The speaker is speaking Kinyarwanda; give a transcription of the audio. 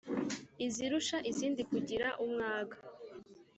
Izirusha izindi kugira umwaga